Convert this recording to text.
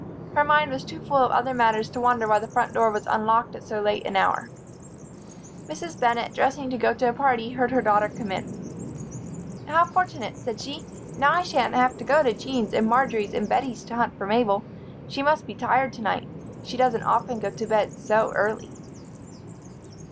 Her mind was too full of other matters to wonder why the front door was unlocked at so late an hour. Mrs. Bennett, dressing to go to a party, heard her daughter come in. "How fortunate!" said she. "Now I shan't have to go to Jean's and Marjory's and Bettie's to hunt for Mabel. She must be tired to night she doesn't often go to bed so early."